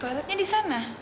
toiletnya di sana